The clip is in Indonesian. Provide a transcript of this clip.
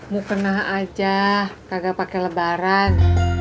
mau kena aja kagak pakai lebaran